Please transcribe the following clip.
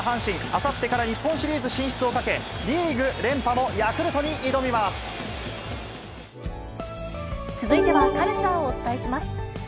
あさってから日本シリーズ進出をかけ、リーグ連覇のヤクルトに挑続いては、カルチャーをお伝えします。